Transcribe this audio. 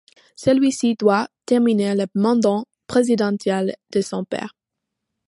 Celui-ci doit terminer le mandat présidentiel de son père.